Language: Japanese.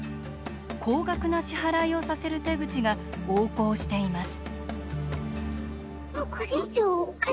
高額な支払いをさせる手口が横行しています。